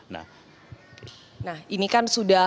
nah ini kan sudah